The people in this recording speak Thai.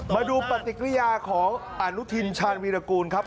มาดูปฏิกิริยาของอนุทินชาญวีรกูลครับ